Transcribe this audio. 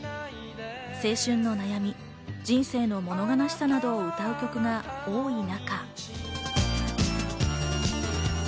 青春の悩み、人生のもの悲しさなどを歌う曲が多い中。